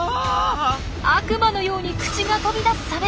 悪魔のように口が飛び出すサメ。